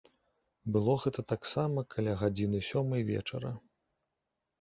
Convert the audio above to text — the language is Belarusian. Было гэта таксама каля гадзіны сёмай вечара.